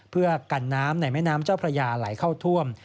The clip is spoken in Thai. เพื่อกันน้ำในแม่น้ำเจ้าพระยาไหลเข้าท่วม